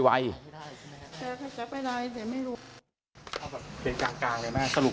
จับไปได้แต่ไม่รู้